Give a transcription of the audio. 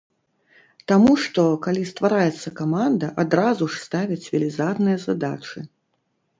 Таму што, калі ствараецца каманда, адразу ж ставяць велізарныя задачы.